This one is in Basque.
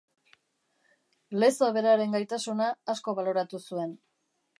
Lezo beraren gaitasuna asko baloratu zuen.